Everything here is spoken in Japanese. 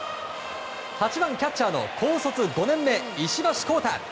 ８番キャッチャーの高卒５年目、石橋康太。